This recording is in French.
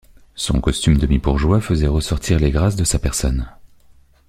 Son costume demi-bourgeois faisait ressortir les grâces de sa personne.